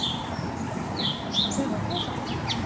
そういえばお父さんは？